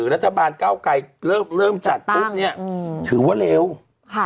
รัฐบาลเก้าไกรเริ่มเริ่มจัดปุ๊บเนี้ยอืมถือว่าเร็วค่ะ